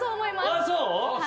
あっそう？